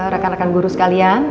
rakan rakan guru sekalian